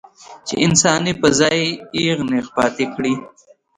چې انسان پۀ ځائے اېغ نېغ پاتې کړي